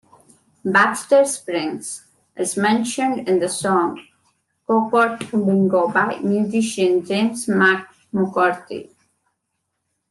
Baxter Springs is mentioned in the song "Choctaw Bingo" by musician James McMurtry.